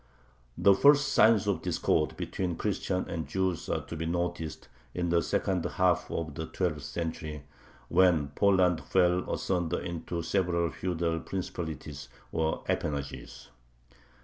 The first signs of discord between Christians and Jews are to be noticed in the second half of the twelfth century, when Poland fell asunder into several feudal Principalities, or "Appanages."